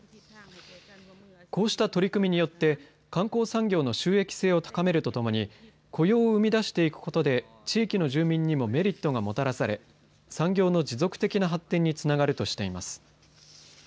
こうした取り組みによって観光産業の収益性を高めるとともに雇用を生み出していくことで地域の住民にもメリットがもたらされ産業の持続的な発展につながるとしています。